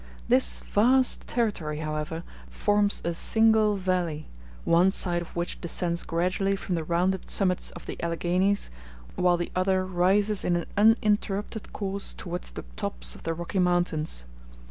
This vast territory, however, forms a single valley, one side of which descends gradually from the rounded summits of the Alleghanies, while the other rises in an uninterrupted course towards the tops of the Rocky Mountains.